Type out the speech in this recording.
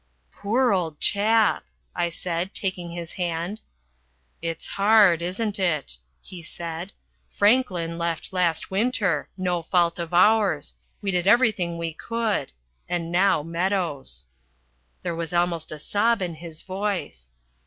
"Poor old chap!" I said, taking his hand. "It's hard, isn't it?" he said. "Franklin left last winter no fault of ours; we did everything we could and now Meadows." There was almost a sob in his voice.